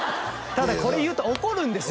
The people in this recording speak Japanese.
ただこれ言うと怒るんですよ